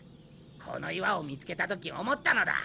この岩を見つけた時思ったのだ。